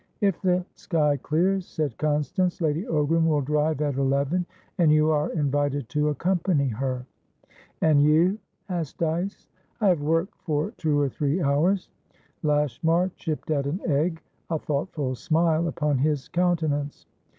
"If the sky clears," said Constance, "Lady Ogram will drive at eleven, and you are invited to accompany her." "And you?" asked Dyce. "I have work for two or three hours." Lashmar chipped at an egg, a thoughtful smile upon his countenance.